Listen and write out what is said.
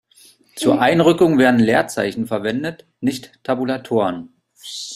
Zur Einrückung werden Leerzeichen verwendet, nicht Tabulatoren.